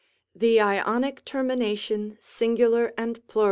The Ionic termination sing, and plur.